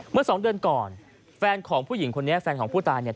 เมื่อสองเดือนก่อนแฟนของผู้หญิงคนนี้แฟนของผู้ตายเนี่ย